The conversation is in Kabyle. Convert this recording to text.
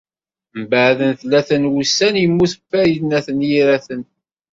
Mbeɛd tlata n wussan, yemmut Farid n At Yiraten.